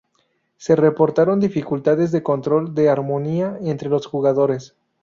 Se reportaron dificultades de control de armonía entre los jugadores.